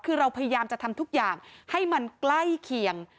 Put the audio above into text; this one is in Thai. คือเราพยายามจะทำทุกอย่างให้มันใกล้เคียง